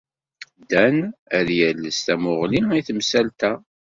Dan ad yales tamuɣli i temsalt-a.